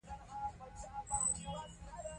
څېړنه ښيي چې د بکتریاوو ډول دماغ بدلوي.